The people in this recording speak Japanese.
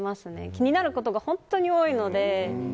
気になることが本当に多いので。